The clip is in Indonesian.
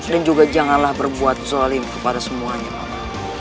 dan juga janganlah berbuat zolim kepada semuanya pak man